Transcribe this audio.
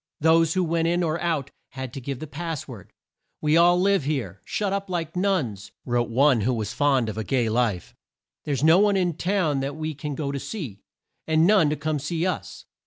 Those who went in or out had to give the pass word. "We all live here, shut up like nuns," wrote one who was fond of a gay life, "There's no one in town that we can go to see, and none to come and see us."